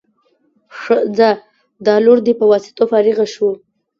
ښه ځه دا لور دې په واسطو فارغه شو.